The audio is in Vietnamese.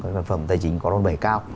các sản phẩm tài chính có đoàn bày cao